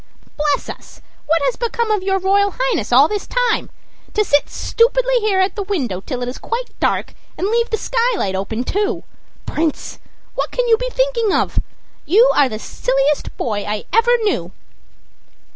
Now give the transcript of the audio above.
"Bless us! what has become of your Royal Highness all this time? To sit stupidly here at the window till it is quite dark, and leave the skylight open, too. Prince! what can you be thinking of? You are the silliest boy I ever knew."